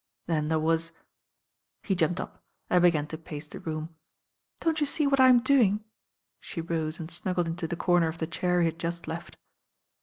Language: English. Then there was He jumped up and began to pace the room. "Don't you see what I am doing?" She rose and snuggled into the corner of the chair he had just left.